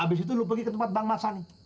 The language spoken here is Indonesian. abis itu lu pergi ke tempat bang masani